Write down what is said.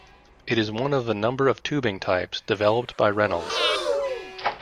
It is one of a number of tubing types developed by Reynolds.